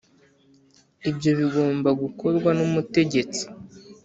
ibyo bigomba gukorwa n'umutegetsi